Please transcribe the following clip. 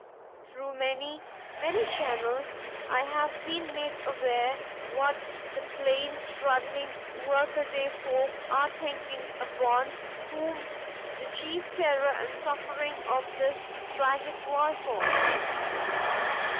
Through many, many channels I have been made aware what the plain, struggling, workaday folk are thinking upon whom the chief terror and suffering of this tragic war falls.